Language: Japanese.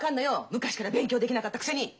昔から勉強できなかったくせに！